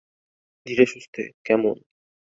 ধীরেসুস্থে, কেমন?